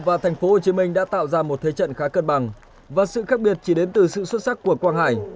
và tp hcm đã tạo ra một thế trận khá cân bằng và sự khác biệt chỉ đến từ sự xuất sắc của quang hải